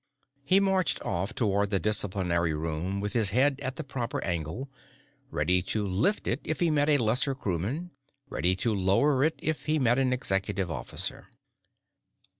He marched off toward the Disciplinary Room with his head at the proper angle ready to lift it if he met a lesser crewman, ready to lower it if he met an executive officer.